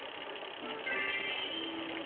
どうなんでしょうね。